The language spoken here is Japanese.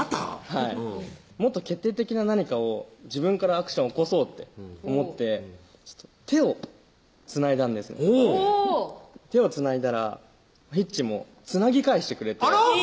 はいもっと決定的な何かを自分からアクション起こそうって思って手を繋いだんですおぉ手を繋いだらひっちも繋ぎ返してくれてあら？